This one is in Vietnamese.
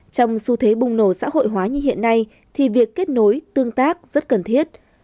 trong xu thế bùng nổ xã hội hóa như hiện nay thì việc kết nối tương tác rất cần thiết